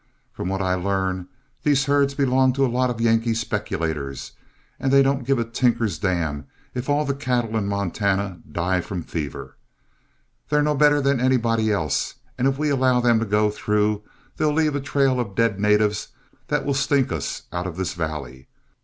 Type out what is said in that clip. From what I learn, these herds belong to a lot of Yankee speculators, and they don't give a tinker's dam if all the cattle in Montana die from fever. They're no better than anybody else, and if we allow them to go through, they'll leave a trail of dead natives that will stink us out of this valley.